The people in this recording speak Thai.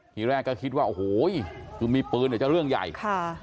ทีแรกก็คิดว่าโอ้โหคือมีปืนเนี่ยจะเรื่องใหญ่ค่ะ